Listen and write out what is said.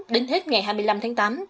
đến hết ngày hai mươi năm tháng tám